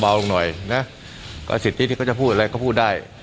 เบาเบาลงหน่อยเนี่ยนะก็สิทธิที่เขาจะพูดอะไรก็พูดได้